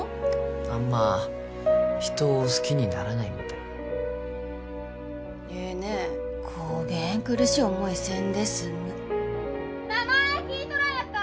あんま人を好きにならないみたいええねこげん苦しい思いせんで済む名前聞いとらんやった！